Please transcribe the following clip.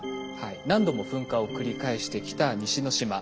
何度も噴火を繰り返してきた西之島。